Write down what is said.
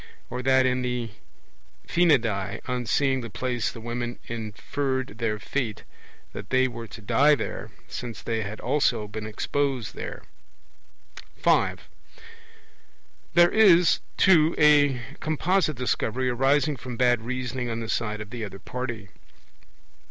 Or that in The Phinidae: on seeing the place the women inferred their fate, that they were to die there, since they had also been exposed there. (5) There is, too, a composite Discovery arising from bad reasoning on the side of the other party.